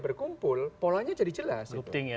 berkumpul polanya jadi jelas